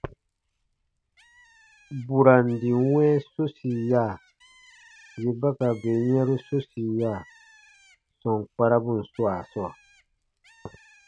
Burandi wɛ̃ɛ sosiya, yè ba ka bè yɛ̃ru sosiya sɔm kparabun swaa sɔɔ.